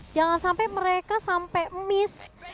jangan sampai mereka sampai miss